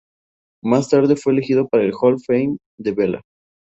Más tarde fue elegido para el "Hall Fame" de vela.